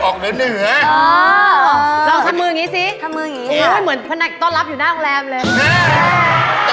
ลองลำนะ